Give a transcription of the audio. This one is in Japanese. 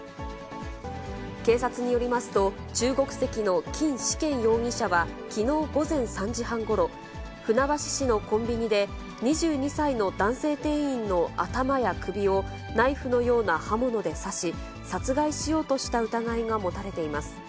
警察によりますと、中国籍の金始賢容疑者はきのう午前３時半ごろ、船橋市のコンビニで、２２歳の男性店員の頭や首をナイフのような刃物で刺し、殺害しようとした疑いが持たれています。